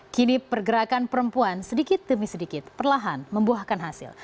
kini pergerakan perempuan sedikit demi sedikit perlahan membuahkan hasil